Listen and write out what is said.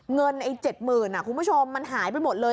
เงิน๗๐๐๐คุณผู้ชมมันหายไปหมดเลย